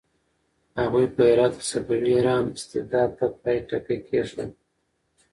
هغوی په هرات کې د صفوي ایران استبداد ته د پای ټکی کېښود.